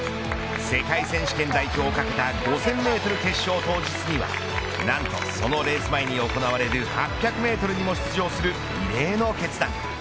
世界選手権代表をかけた５０００メートル決勝当日には何と、そのレース前に行われる８００メートルにも出場する異例の決断。